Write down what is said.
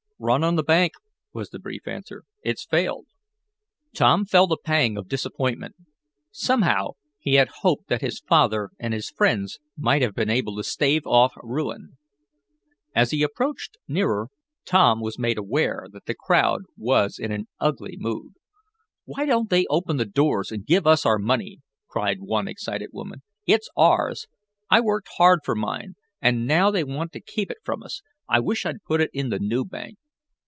"Run on the bank," was the brief answer. "It's failed." Tom felt a pang of disappointment. Somehow, he had hoped that his father and his friends might have been able to stave off ruin. As he approached nearer Tom was made aware that the crowd was in an ugly mood. "Why don't they open the doors and give us our money?" cried one excited woman. "It's ours! I worked hard for mine, an' now they want to keep it from us. I wish I'd put it in the new bank."